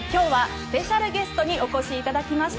スペシャルゲストにお越しいただきました。